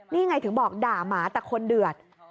นี่ไงถึงบอกด่าหมาแต่คนเดือด